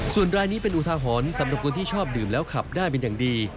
ส่วนรายนี้เป็นอุทาหรณ์สำหรับคนที่ชอบดื่มแล้วขับได้เป็นอย่างดี